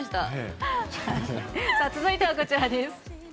続いてはこちらです。